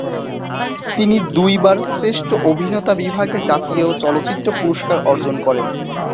তিনি দুইবার শ্রেষ্ঠ অভিনেতা বিভাগে জাতীয় চলচ্চিত্র পুরস্কার অর্জন করেন।